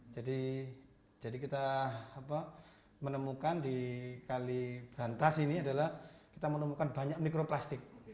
jadi kita menemukan di kalibran tas ini adalah kita menemukan banyak mikroplastik